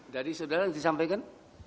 dari saudara yang disampaikan